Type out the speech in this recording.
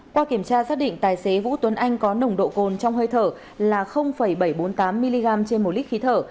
qua kiểm tra xác định tài xế vũ tuấn anh có nồng độ cồn trong hơi thở là bảy trăm bốn mươi tám mg trên một lít khí thở